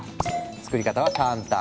作り方は簡単。